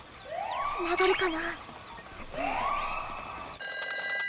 つながるかな？